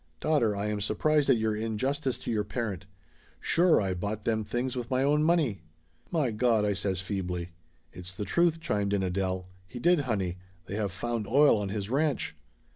"Daughter, I am surprised at your injustice to your parent. Sure I bought them things with my own money !" "My Gawd !" I says feebly. "It's the truth !" chimed in Adele. "He did, honey. They have found oil on his ranch